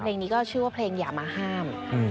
เพลงนี้ก็ชื่อว่าเพลงอย่ามาห้าม